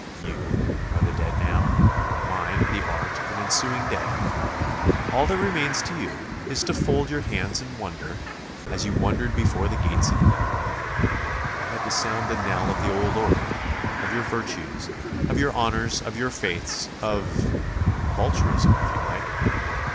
You are the dead now, mine the art of an ensuing day. All that remains to you is to fold your hands and wonder, as you wondered before the gates of Nineveh. I had to sound the knell of the old order; of your virtues, of your honours, of your faiths, of ... of altruism, if you like.